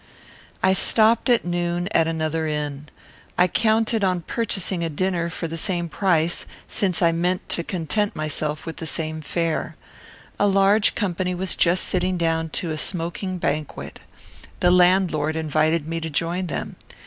I stopped at noon at another inn. I counted on purchasing a dinner for the same price, since I meant to content myself with the same fare. A large company was just sitting down to a smoking banquet. The landlord invited me to join them.